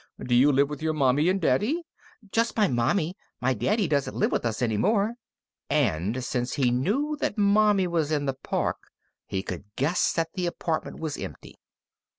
Do you live with your mommie and daddy?_ Just my mommie. My daddy doesn't live with us anymore. And, since he knew that mommie was in the park, he could guess that the apartment was empty.